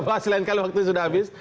kita bahas lain kali waktu ini sudah habis